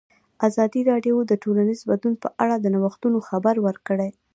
ازادي راډیو د ټولنیز بدلون په اړه د نوښتونو خبر ورکړی.